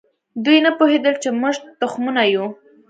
دوی نه پوهېدل چې موږ تخمونه یو.